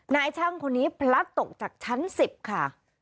นายช่างคนนี้พลัดตกจากชั้น๑๐ค่ะ